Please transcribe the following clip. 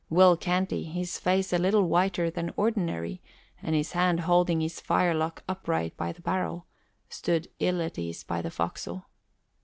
Will Canty, his face a little whiter than ordinary and his hand holding his firelock upright by the barrel, stood ill at ease by the forecastle.